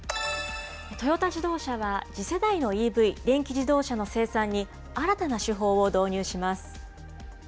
トヨタ自動車は次世代のＥＶ・電気自動車の生産に新たな手法を導入します。